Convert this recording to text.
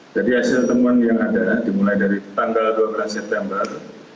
jadi hasil temuan yang ada dimulai dari tanggal dua puluh satu september dua ribu dua puluh dua